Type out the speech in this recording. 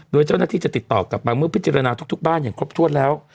โดยเจ้าหน้าที่จะติดต่อกลับมาเมื่อพิจารณาทุกบ้านอย่างครบถ้วนแล้ว